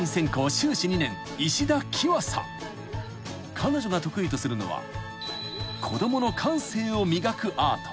［彼女が得意とするのは子供の感性を磨くアート］